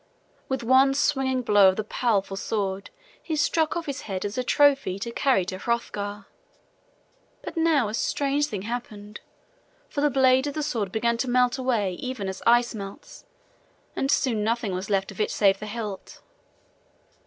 With one swinging blow of the powerful sword he struck off his head as a trophy to carry to Hrothgar. But now a strange thing happened, for the blade of the sword began to melt away even as ice melts, and soon nothing was left of it save the hilt.